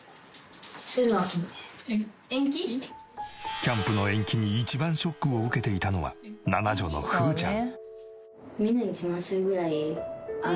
キャンプの延期に一番ショックを受けていたのは七女のふうちゃん。